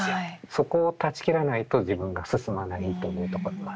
そこを断ち切らないと自分が進まないというところもあって。